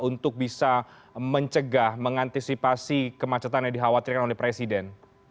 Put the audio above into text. untuk bisa mencegah mengantisipasi kemacetan yang dikhawatirkan oleh presiden